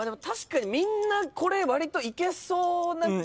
確かにみんなこれわりといけそうな。